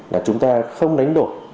là chúng ta không đánh đổi